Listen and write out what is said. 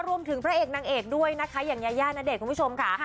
รวมถึงเภ้าวีชกันผู้ชมอย่างยาย่านาเดชค่ะ